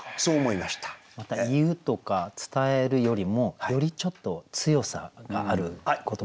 また「言う」とか「伝える」よりもよりちょっと強さがある言葉ですね「告げる」というね。